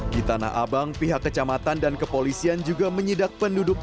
di tanah abang pihak kecamatan dan kepolisian juga menyidak penduduk